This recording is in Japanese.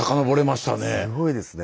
すごいですね。